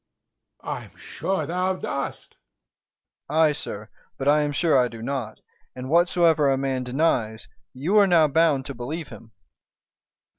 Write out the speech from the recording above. Æge. I am sure thou dost. Dro. E. Ay, sir, but I am sure I do not; and whatsoever a man denies, you are now bound to believe him.